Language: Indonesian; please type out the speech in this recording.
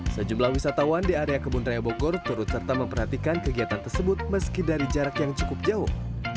sejumlah wisatawan di area kebun raya bogor turut serta memperhatikan kegiatan tersebut meski dari jarak yang cukup jauh